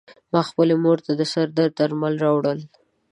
ما خپلې مور ته د سر درد درمل راوړل .